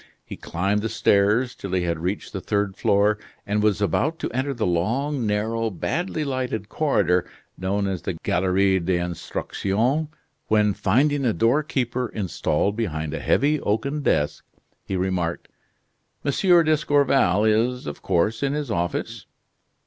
He climbed the stairs till he had reached the third floor, and was about to enter the long, narrow, badly lighted corridor known as the Galerie de l'Instruction, when, finding a doorkeeper installed behind a heavy oaken desk, he remarked: "M. d'Escorval is, of course, in his office?"